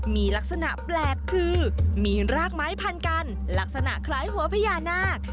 มีลักษณะแปลกคือมีรากไม้พันกันลักษณะคล้ายหัวพญานาค